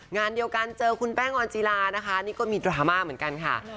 งานเดียวกันเจอคุณแป้งออนจีลานะคะนี่ก็มีดราม่าเหมือนกันค่ะ